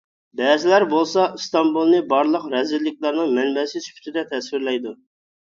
بەزىلەر بولسا، ئىستانبۇلنى بارلىق رەزىللىكلەرنىڭ مەنبەسى سۈپىتىدە تەسۋىرلەيدۇ.